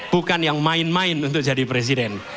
bukan yang main main untuk jadi presiden